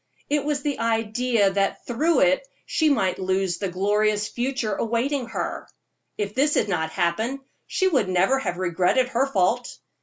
It was the idea that through it she might lose the glorious future awaiting her; if this had not happened, she would never have regretted her fault.